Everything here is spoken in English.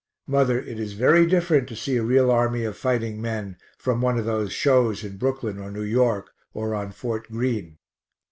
Mother, it is very different to see a real army of fighting men, from one of those shows in Brooklyn, or New York, or on Fort Greene.